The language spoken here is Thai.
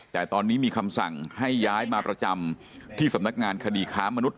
แต่ตอนนี้มีคำสั่งให้ย้ายมาประจำที่สำนักงานคดีค้ามนุษย